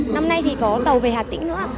năm nay thì có tàu về hà tĩnh nữa